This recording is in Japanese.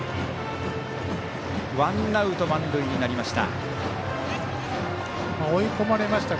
ワンアウト満塁になりました。